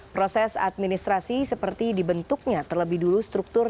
proses administrasi seperti dibentuknya terlebih dulu struktur